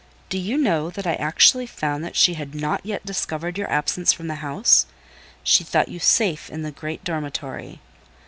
Do you know that I actually found that she had not yet discovered your absence from the house: she thought you safe in the great dormitory.